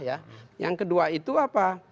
yang kedua itu apa